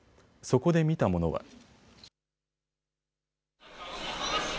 そこで見たものは。